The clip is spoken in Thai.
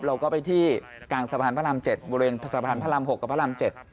เราก็ไปที่กลางสะพานพระราม๗บริเวณสะพานพระราม๖กับพระราม๗